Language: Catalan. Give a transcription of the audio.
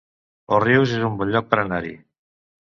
Òrrius es un bon lloc per anar-hi